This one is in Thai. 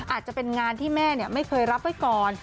อาจจะเป็นงานที่แม่ไม่เคยรับไว้ก่อน